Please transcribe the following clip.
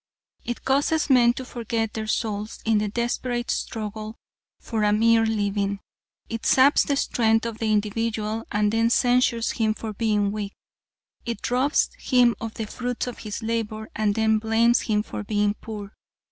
It causes men to forget their souls in the desperate struggle for a mere living. It saps the strength of the individual and then censures him for being weak. It robs him of the fruits of his labor and then blames him for being poor.